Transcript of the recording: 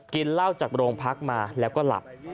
กินเหล้าจากโรงพักมาแล้วก็หลับ